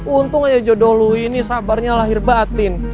untung aja jodoh lu ini sabarnya lahir batin